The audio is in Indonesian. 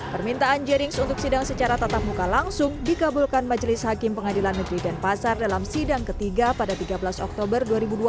permintaan jerings untuk sidang secara tatap muka langsung dikabulkan majelis hakim pengadilan negeri denpasar dalam sidang ketiga pada tiga belas oktober dua ribu dua puluh